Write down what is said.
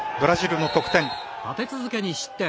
立て続けに失点。